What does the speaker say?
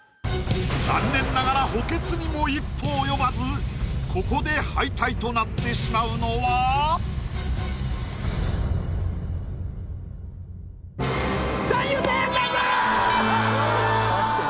残念ながら補欠にも一歩及ばずここで敗退となってしまうのは⁉三遊亭円楽！